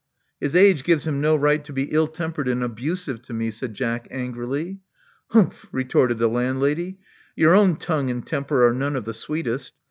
His age gives him no right to be ill tempered and abusive to me/* said Jack angrily. "Humph!*' retorted the landlady. Your own tongue and temper are none of the sweetest.